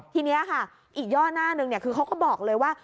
ทีนี้ค่ะอีกย่อหน้าหนึ่งคือเขาก็บอกเลยว่า